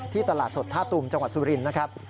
ตลาดสดท่าตูมจังหวัดสุรินทร์นะครับ